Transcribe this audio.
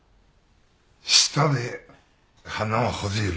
舌で鼻をほじる。